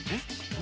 何？